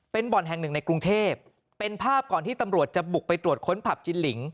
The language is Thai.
เป็นบ่อนแห่งหนึ่งในกรุงเทพเป็นภาพก่อนที่ตำรวจจะบุกไปตรวจค้นผับจินลิง